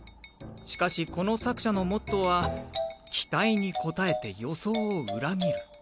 しかしこの作者のモットーは「期待に応えて予想を裏切る」